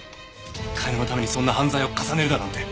金のためにそんな犯罪を重ねるだなんて。